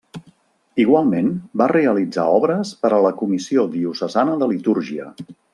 Igualment, va realitzar obres per a la Comissió Diocesana de Litúrgia.